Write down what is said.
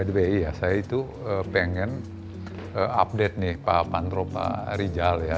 by the way ya saya itu pengen update nih pak pantropa rijal ya